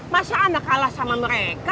masa anda kalah sama mereka